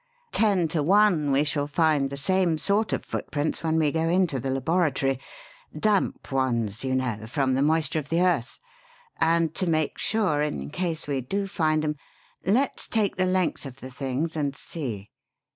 Ten to one we shall find the same sort of footprints when we go into the laboratory damp ones, you know, from the moisture of the earth; and to make sure, in case we do find 'em let's take the length of the things and see.